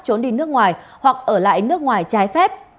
trốn đi nước ngoài hoặc ở lại nước ngoài trái phép